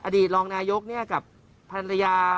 อดีตรองนายกกับภรรยา